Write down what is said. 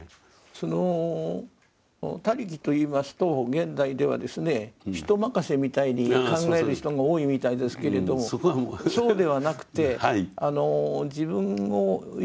その「他力」と言いますと現代ではですね人任せみたいに考える人が多いみたいですけれどそうではなくて自分を生かして下さっている命の働き。